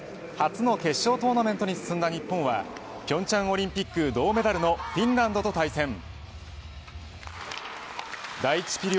初の決勝トーナメントに進んだ日本は平昌オリンピック銅メダルのフィンランドと対戦。